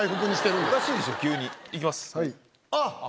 いきます！